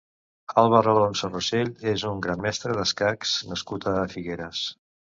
Àlvar Alonso Rosell és un gran Mestre d'escacs nascut a Figueres.